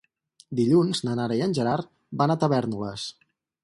Dilluns na Nara i en Gerard van a Tavèrnoles.